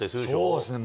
そうですね。